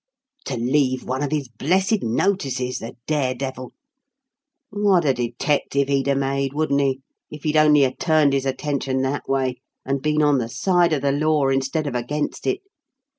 "To leave one of his blessed notices, the dare devil. What a detective he'd a made, wouldn't he, if he'd only a turned his attention that way, and been on the side of the law instead of against it?